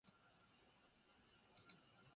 お腹がすきました